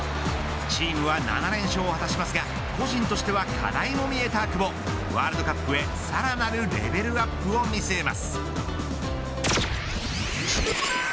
チームは７連勝を果たしますが個人としては課題も見えた久保ワールドカップへ、さらなるレベルアップを見据えます。